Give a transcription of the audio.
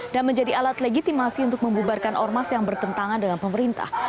dan menjadi alat legitimasi untuk membubarkan ormas yang bertentangan dengan pemerintah